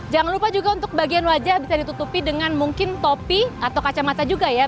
jangan lupa juga untuk bagian wajah bisa ditutupi dengan mungkin topi atau kacamata juga ya